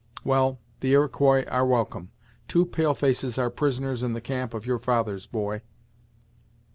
"Well, the Iroquois are welcome. Two pale faces are prisoners in the camp of your fathers, boy."